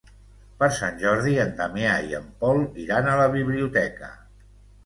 Per Sant Jordi en Damià i en Pol iran a la biblioteca.